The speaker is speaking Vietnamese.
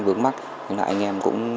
vướng mắt nên là anh em cũng